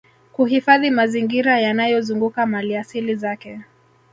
Kuhifadhi mazingira yanayozunguka maliasili zake